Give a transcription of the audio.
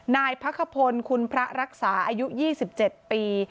นายพักขพลคุณพระรักษาอายุ๒๗ปี